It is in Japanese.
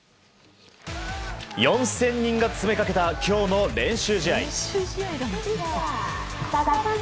４０００人が詰めかけた今日の練習試合。